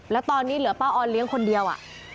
แล้วตอนนี้เหลือป้าออนเลี้ยงคนเดียว